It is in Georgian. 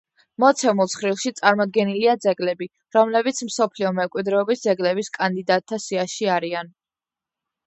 მოცემულ ცხრილში წარმოდგენილია ძეგლები, რომლებიც მსოფლიო მემკვიდრეობის ძეგლების კანდიდატთა სიაში არიან.